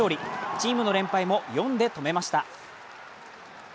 チームの連敗も４で止めました。